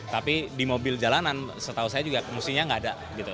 tapi di mobil jalanan setahu saya juga mestinya nggak ada